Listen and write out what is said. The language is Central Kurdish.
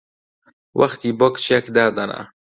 وەختی بۆ کچێک دادەنا!